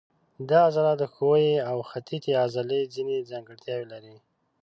دا عضله د ښویې او مخططې عضلې ځینې ځانګړتیاوې لري.